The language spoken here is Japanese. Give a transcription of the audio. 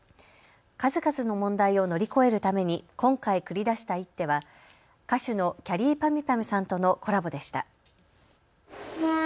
数々の問題を乗り越えるために今回繰り出した一手は歌手のきゃりーぱみゅぱみゅさんとのコラボでした。